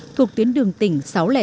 thuộc tuyến đường tỉnh sáu trăm linh sáu